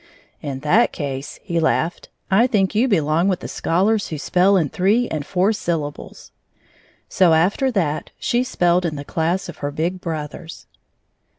"In that case," he laughed, "I think you belong with the scholars who spell in three and four syllables." So after that, she spelled in the class of her big brothers.